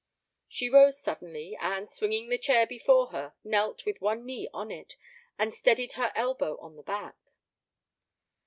She rose suddenly, and, swinging the chair before her, knelt with one knee on it and steadied her elbow on the back.